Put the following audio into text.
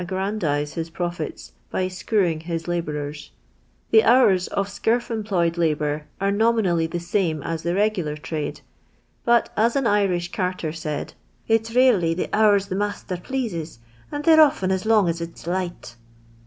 ^an dise ills profits by screwing his labourers. The ho'iin t'/ srni'/ f mjt/u^fi'l /fifn/H,' are nominally the sam as the reirular tra .le, but as an Irish carter said. " it 'n ralely the hours the masther plases, and they n* often as lonir as it's lif,'ht."